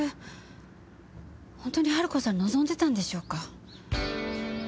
本当に春子さん望んでたんでしょうか？